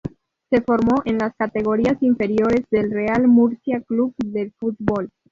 Se formó en las categorías inferiores del Real Murcia Club de Fútbol.